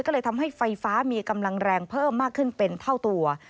ก็เลยทำให้ไฟฟ้ามีกำลังแรงเพิ่มมากขึ้นเป็นเท่าตัว